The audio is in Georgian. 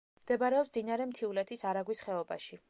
მდებარეობს მდინარე მთიულეთის არაგვის ხეობაში.